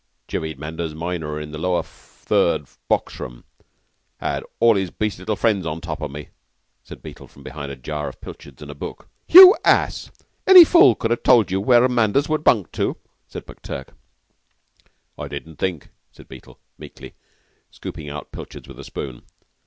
"'Chivied Manders minor into the Lower Third box room. 'Had all his beastly little friends on top of me," said Beetle from behind a jar of pilchards and a book. "You ass! Any fool could have told you where Manders would bunk to," said McTurk. "I didn't think," said Beetle, meekly, scooping out pilchards with a spoon.